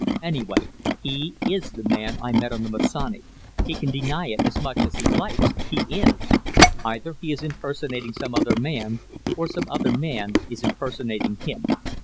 Anyway, he is the man I met on the Masonic; he can deny it as much as he likes he is. Either he is impersonating some other man, or some other man is impersonating him.